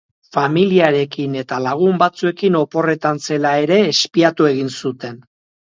Familiarekin eta lagun batzuekin oporretan zela ere espiatu egin zuten.